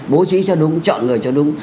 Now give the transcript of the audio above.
bố trí cho đúng chọn người cho đúng